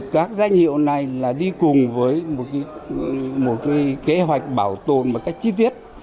các danh hiệu này là đi cùng với một kế hoạch bảo tồn một cách chi tiết